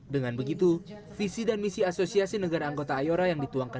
dengan begitu visi dan misi asosiasi negara anggota iora yang dituangkan